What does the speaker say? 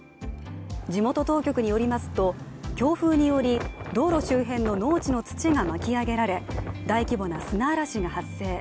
地元当局によりますと強風により道路周辺の農地の土が巻き上げられ大規模な砂嵐が発生。